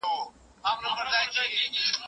واوره او باران د پیازو لپاره ګټور دي.